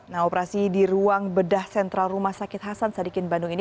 nah operasi di ruang bedah sentral rumah sakit hasan sadikin bandung ini